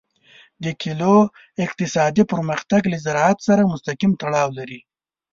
د کلیو اقتصادي پرمختګ له زراعت سره مستقیم تړاو لري.